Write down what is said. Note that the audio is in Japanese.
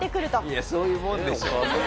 いやそういうもんでしょ。